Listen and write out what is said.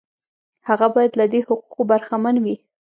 هغه باید له دې حقوقو برخمن وي.